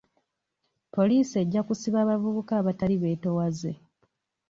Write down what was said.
Poliisi ejja kusiba abavubuka abatali beetoowaze.